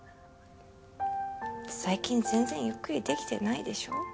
最近全然ゆっくりできてないでしょ？